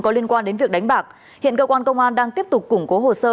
có liên quan đến việc đánh bạc hiện cơ quan công an đang tiếp tục củng cố hồ sơ